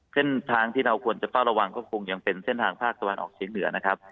เส้นทางที่เราควรจะเฝ้าระวังก็คงยังเป็นเส้นทางภาคตะวันออกเชียงเหนือนะครับ